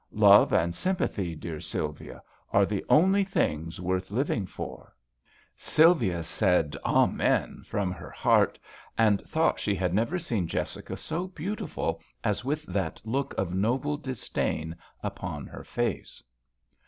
Love and sympathy, dear Sylvia, are the only things worth living for." Sylvia said, " Amen," from her heart, and thought she had never seen Jessica so beautiful as with that look of noble disdain upon her face.